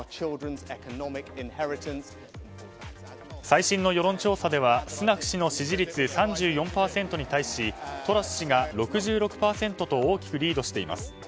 最新の世論調査ではスナク氏の支持率３４％に対しトラス氏が６６％と大きくリードしています。